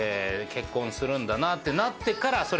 結婚するんだなあってなってから。